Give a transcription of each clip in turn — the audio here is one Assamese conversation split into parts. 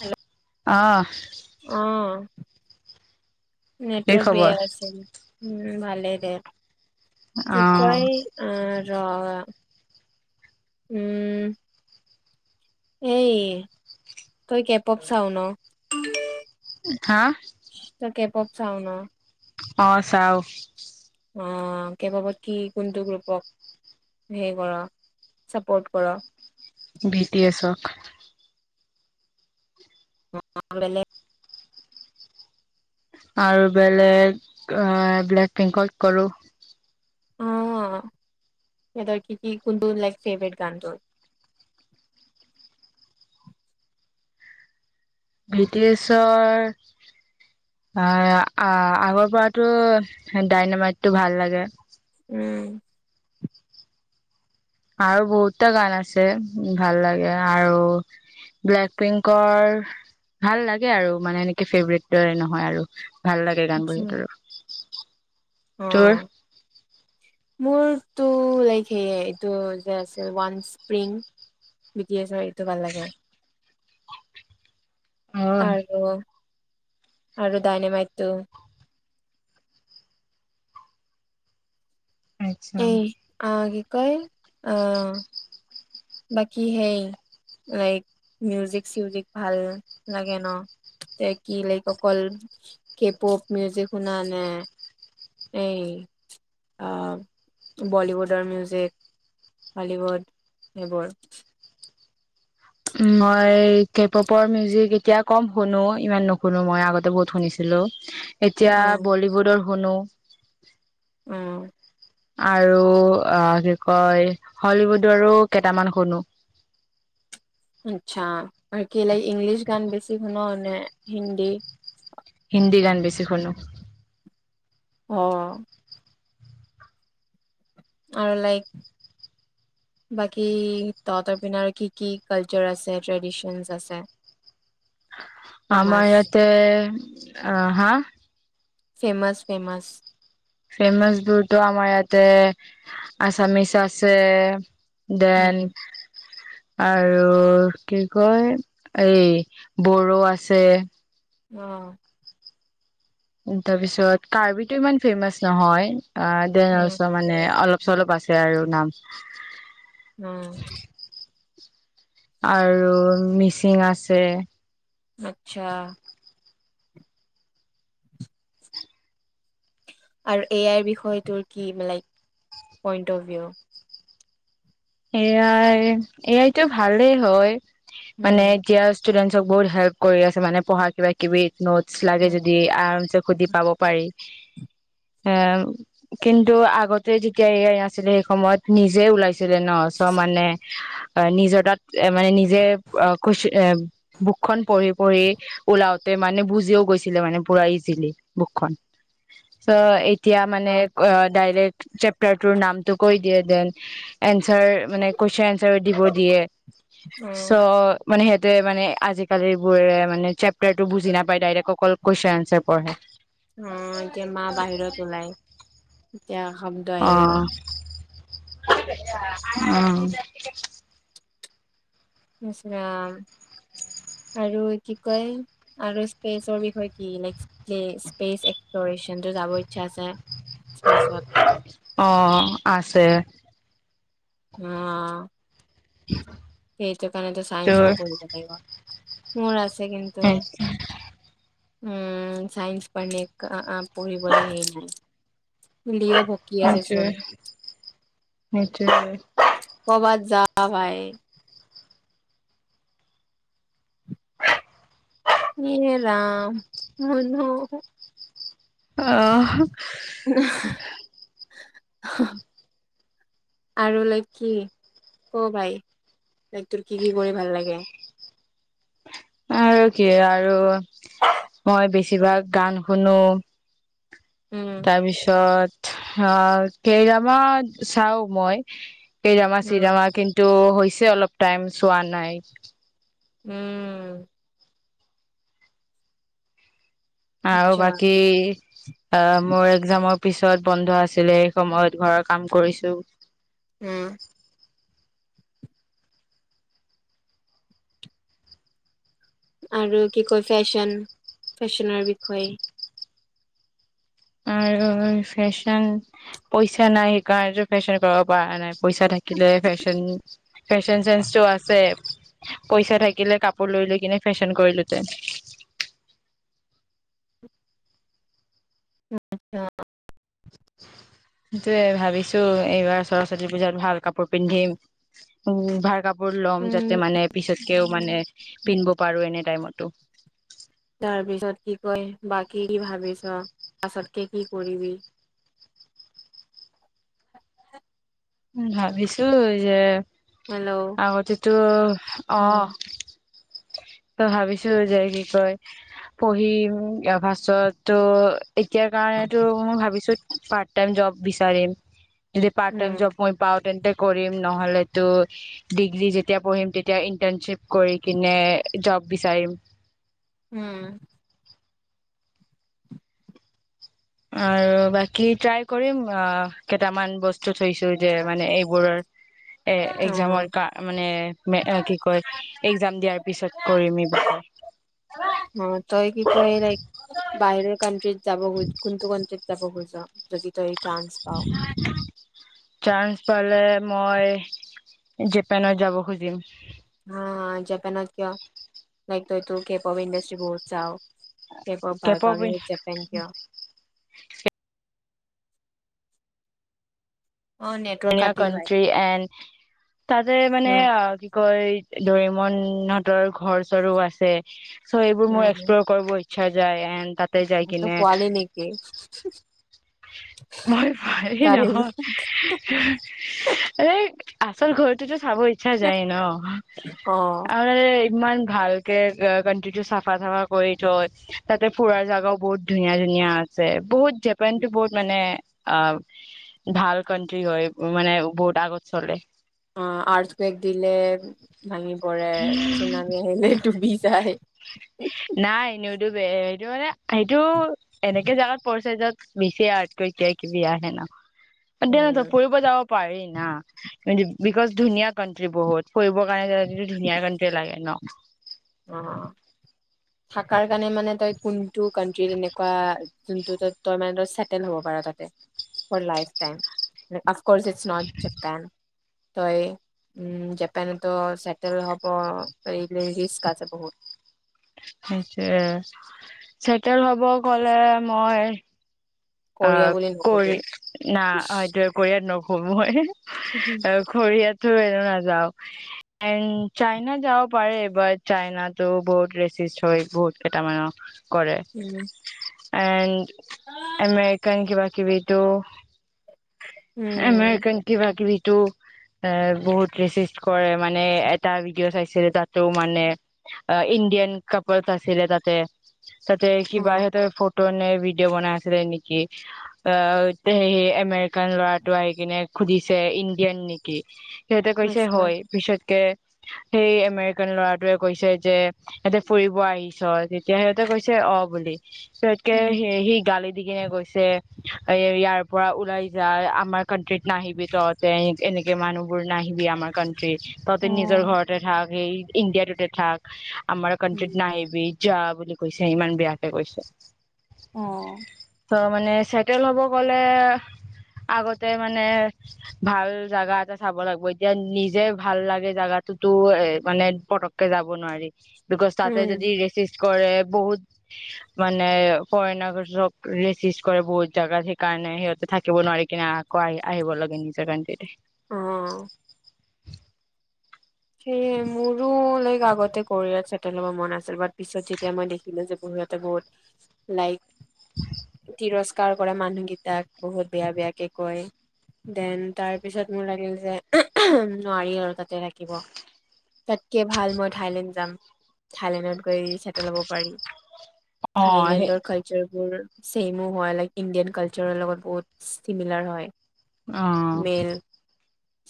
হেল্ল', অ', অ' কি নেটৱৰ্ক বেয়া খবৰ? আছিল। উম, ভালেই দে। কি অ', কয়, আ অ', উম এই, তই কে প'প চাৱ ন? হা? ক'ত চাওঁ ন? অ', চাওঁ। অ', কে প'পত কি কোনটো গ্ৰুপক হেৰি কৰ, ছাপৰ্ট কৰ? B T এছক। [unintelligible] বেলেগ আৰু বেলেগ আ, ব্লেক, পিংকত কৰোঁ। অ', সিহঁতৰ কি, কি কোনটো লাইক ফেভৰেট গানটোত। বি টি ছৰ আ, আ-আগৰ পৰাতো ডাইনামাইটটো ভাল লাগে। উম। আৰু বহুতটা গান আছে, ভাল লাগে আৰু ব্লেক পিংকৰ ভাল লাগে আৰু মানে এনেকে ফেভৰেট নহয় আৰু। ভাল লাগে গান আচ্ছা। বোৰ ইহঁতৰো অ', মোৰ টো লাইক সেয়াই এইটো যে, আছিল ওৱান স্প্ৰিং বি টি এচৰ এইটো ভাল লাগে। অ', আৰু আৰু ডইনেমাইটো আচ্ছা। [unintelligible] [unintelligible] অ' বাকী সেই লাইক মিউজিক চিউজিক ভাল লাগে ন? কি লাইক অকল কেপপ মিউজিক শুনা নে? এই আ, বলীউডৰ মিউজিক, হলিউড এইবোৰ। মই কেপ অপৰ মিউজিক এতিয়া কম শুনো, ইমান নুশুনো মই আগতে বহুত শুনিছিলো। এতিয়া উম বলীউডৰ শুনো। উম। আৰু আ, কি কয় হলিউডৰো কেইটামান শুনো। আতচ্ছা, আৰু কি লাই ইংলিছ গান বেছি শুন নে হিন্দী? হিন্দী গান বেছি শুনো। অ'। আৰু লাইক বাকী তহঁতৰ পিনে আৰু কি, কি কালচাৰ আছে, ট্ৰেডিচনছ আছে? ফেমাচ আমাৰ ইয়াতে অ', হা? Famous, famous. ফেমাছ বুইটো আমাৰ ইয়াতে আছামিছ আছে দেন উম আৰু কি কয়, এই বড়ো আছে। উম তাৰপিছত, কাৰ্বিটো ইমান ফেমাচ নহয়, অ' দেন উম, অ'লচ' মানে অলপ চলপ আছে আৰু, নাম উম, আৰু মিচিং আছে, আচ্ছা আৰু এ আইৰ বিষয়ে টোৰ কি, like point of view? A I, এ আইটো ভালেই হয়। মানে উম, এতিয়া ষ্টুদেন্ত বহুত হেল্প কৰি আছে মানে পঢ়া কিবা কিবি নোটছ লাগে উম, যদি আ সুধি উম, পাব পাৰি। এ কিন্তু, আগতে যেতিয়া এ আই নাছিলে, সেই সময়ত নিজে উলিয়াইছিল। ন চ মানে নিজৰ তাত মানে, নিজে বুক খন পঢ়ি পঢ়ি ওলাওতে মানে বুজিও গৈছিলে মানে পুৰা ইজিলি, বুকখন চ এতিয়া মানে, অ' ডাইৰেক্ট চেপটাৰটোৰ নামটো কৈ দিয়ে, দেন এনচাৰ মানে, কোৱেচন এনচাৰ দিব দিয়ে, উম, চ' মানে সিহঁতে, মানে আজিকালিৰ বোৰে মানে, চেপটাৰটো বুজি নাপায়, ডাইৰেক্ট অকল কুৱেশন আনচাৰ পঢ়ে। অ' এতিয়া মা বাহিৰত ওলাই এয়া শব্দ এ অ উম। ইচ ৰাম আৰু কি কয় আৰু স্পেচৰ বিষয়ে [unintelligible] স্পেচ এক্সপ্লৰেচনটো যাব ইচ্ছা আছে। স্পেচত অ', আছে। অ'। সেইটো কাৰণেটো তোৰ চায়েন্সটা পঢ়িব লাগিব। মোৰ আছ আছে কিন্তু সেইটোৱে উম, চাইন্স [unintelligible] আ, আ, পঢ়িবলৈ [unintelligible] বুলিও ভকি আছে চোন। সেইটোৱে ক'ৰবাত যা [unintelligible] ইয়ে ৰাম, মুনু অহ। আৰু লাইক কি? ক ভাই লাইক তোৰ কি কি কৰি ভাল লাগে? আৰু কি আৰু মই বেছিভাগ গান শুনো। উম তাৰপিছত অ' কে ড্ৰামা চাও মই। কে ড্ৰামা, অ চে ড্ৰামা কিন্তু হৈছে অলপ টাইম চোৱা নাই। উম! আৰু আচ্ছা বাকি, অ' মোৰ একজামৰ পিছত বন্ধ আছিলে। সেই সময়ত ঘৰৰ কাম কৰিছো। উম! আৰু কি কয় ফেশ্বন, ফেশ্বনৰ বিষয়ে আৰু ফেশ্বন পইচা নাই সেইকাৰনেটো ফেশ্বন কৰিব পৰা নাই। পইচা থাকিলে ফেশ্বন, ফেশ্বন চেন্স টো আছে। পইচা থাকিলে কাপোৰ লৈ লৈ কিনে ফেশ্বন কৰিলোতে আচ্ছা সেইটোয়ে ভাবিছো, এইবাৰ সৰস্বতী পূজাত ভাল কাপোৰ পিন্ধিম উ ভাল কাপোৰ। ল'ম উম যাতে, মানে পিছতকেও মানে পিন্ধিব পাৰো এনে টাইমতো। তাৰ পিছত কি? কই বাকী কি ভাবিছ? পাছতকে কি কৰিবি? ভাবিছোঁ যে, হেল্ল' আগতে টো, উম অ' ত ভাবিছো যে, কি কয় পঢ়িম ফাৰত ত এতিয়াৰ কাৰণেতো মই ভাবিছোঁ পাৰ্ট-টাইম জব বিচাৰিম। যদি পাৰ্ট-টাইম উম জব মই পাওঁ, তেনে কৰিম নহ'লেতো, ডিগ্ৰী যেতিয়া পঢ়িম তেতিয়া ইন্টাৰ্নশ্বিপ কৰি কিনে জব বিচাৰিম। উম। আৰু বাকি ট্ৰাই কৰিম, আহ, কেইটামান বস্তু থৈছোঁ যে, মানে এইবোৰৰ এ-একজামৰ কা, মানে, এ, কি কয়! একজাম দিয়াৰ পিছত অ কৰিম এই অ তই কি কয় লাইক বাহিৰৰ কানট্ৰিত [unintelligible] যাব গৈ, কোনটো কাণ্ট্ৰিত যাব কৈ যদি তই চান্স পাৱ চান্স পালে মই, জেপানত যাব খুজিম। হা, জেপানত কিয়? লাইক তই টো কেপ [unintelligible] ইণ্ডষ্ট্ৰী বহুত যাৱ [unintelligible] জেপান কিয়? অ নেটৱৰ্ক ধুনীয়া কাটিল ভাই কাণ্ট্ৰি এণ্ড তাতে মানে উম অ', কি ক কৈ, দৰিমনহঁতৰ ঘৰ-চৰ ও আছে। চ' এইবোৰ মোৰ এক্সপ্ল'ৰ কৰিব চা যায় এণ্ড তাতে যাই ত' কিনে পোৱালি নেকি? মই [unintelligible] এই, আচল ঘৰটোতো খাব ইচ্ছা যায় ন! অ আৰু এই ইমান ভালকে, কা-কাণ্ট্ৰিটো চাফা-তাফা কৰি থৈ, তাতে ফুৰাৰ জাগাও বহুত ধুনীয়া, ধুনীয়া আছে। বহুত জেপানটো বহুত মানে অ', ভাল কান কি হয় মানে, বহুত আগত চলে অ', আৰ্ছ বেক দিলে ভাঙি পৰে। তাৰপিছত নামি আহিলে, এইটো [unintelligible] আহে। এ-এ-এইটো মানে সেইটো এনেকে জালত পৰিছে য'ত [unintelligible] কিবা কিবি আহে ন! অ', উম [unintelligible] ফুৰিব যাব পাৰি না! বিকজ ধুনীয়া কাণ্ট্ৰি বহুত, ফুৰিব কাৰণে কিন্তু ধুনীয়া কাণ্ট্ৰি লাগে, ন? অ', থাকাৰ কাৰণে মানে তই কোন টু কাণ্ট্ৰি তেনেকুৱা জোনটো তই, তই মানে চেটেল হ'ব পাৰ তাতে, for life time. [unintelligible] Course is not Japan. তই উ জাপানতো চেটেল হব আছে বহুত। সেইটোৱে চেটেল হব গলে মই কৰিয়া অ' বুলি কৰি নকবি। ন অটো কৰিয়াত ন কৰিব হয় অ' খৰিয়াত নাযাও এণ্ চাইনা যাব পাৰেব চাইনাতো বহুত ৰেচিষ্ট হয় বহুত কেইটামানৰ কৰে উম, এণ্ড [inaudible] [unintelligible] কিবা কিবিতো আ মে উম, কনকি বাকী বি বহুত কৰে মানে এটা ভিডিঅ' চাইছিলে তাতো মানে ইণ্ডিয়ান কাপল আছিলে তাতে তাতে অ, কিবা সিহতে [unintelligible] বনাই। নেকি আহ স সেই আমেৰিকান ল'ৰাটো আহি কিনে সুধিছে ইণ্ডিয়ান নেকি সিহঁতে কৈছে আচ্ছা। হয় পিছতকে সেই আমেৰিকান ল'ৰাটোৱে কৈছে যে ইিহঁতে ফুৰিব আহিছ? তেতিয়া সিহঁতে কৈছে অ', বুলি। তাকে উম, সি গালিত এ গৈছে এ ইয়াৰ পৰা ওলাই যায় আমাৰ কাণ্ট্ৰিত নাহিবি তহঁতে এনেকে মানুহ বোৰ নাহিবি আমাৰ কণ্ট্ৰ ততে নিজৰ অ'। ঘৰতে থাক। সেই ইণ্ডিয়াটোতে থাক। আমাৰ উম, কাণ্ট্ৰিত নাইবি। যা বুলি কৈছে ইমান বেয়াকে কৈছে। অ', ত মানে চেটেল হব গলে আগতে মানে ভাল জোগা এটা চাব লাগিব এতিয়া নিজে ভাল লাগে জাগাটোতো এ মানে পতককে যাব নোৱাৰি দুখস্থতে উম, যদিছি কৰে বহুত মানে কৰইণক ৰেচিজ কৰে বহুত জোগাত সেইকাৰণে সিহঁতে থাকিব নোৱাৰি কিনে আকৌ আহি আহিব লাগে নিজৰ কাৰণেতে অ সেয়ে মোৰো লাইক আগতে কয়ত চেটেল হ'ব মন আছিল ব পিছত যেতিয়া মই দেখিলো যে বঢ়িয়তে বহুত লাইক তিৰস্কাৰ সকাৰ কৰে মানুহকেইটাক বহুত বেয়া বেয়াকে কয় দেন তাৰপিছত মোৰ লাগিল যে নোৱাৰি আৰু তা তে ৰাখিব তাতকে ভাল মই থাইলেণ্ড যাম থাইলেণ্ডত গৈ চেটেল হ'ব পাৰি অ সেই থাইলেণ্ডৰ কালচাৰবোৰ চছেমো হয় লাইক ইণ্ডিয়ান কালচাৰৰ লগত বহুত চিমিলাৰ হয় আহ মেল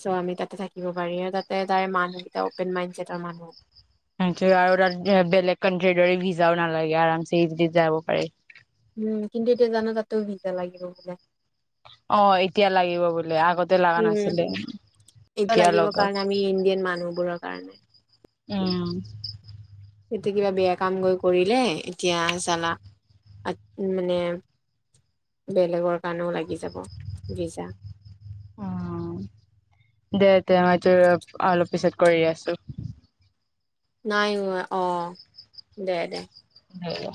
চ' আমি তাতে থাকিব পাৰি আৰু তাতে তাৰে মান েন মাইডৰ মানুহ আৰু ত বেলেগ কট্ৰ দৰে ভিজাও নালাগে আৰাম যাব পাৰি উম কিন্তু এতিয়া জানো তাতো ভিজা লাগিব বোলে অ এতিয়া লাগিব বোলে আগতে লগা উম নাছিলে এইটো এতিয়া লাগিব লগাব কাৰণে আমি ইণ্ডিয়ান মানুহবোৰৰ কাৰণে উম এতিয়া কিবা বেয়া কাম গৈ কৰিলে এতিয়া চালা মানে বেলেগৰ কাৰণেও লাগি যাব ভিজা অ দে দে মইতোৰ অলপ পিছত কৰি আছো নাই অ দে দে উ